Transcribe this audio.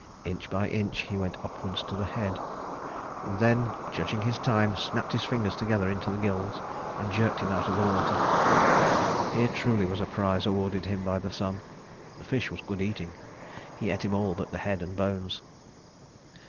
Inch by inch he went upwards to the head; then, judging his time, snapped his fingers together into the gills and jerked him out of the water. Here truly was a prize awarded him by the sun. The fish was good eating. He ate him all but the head and bones.